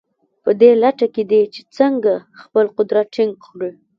په دې لټه کې دي چې څنګه خپل قدرت ټینګ کړي.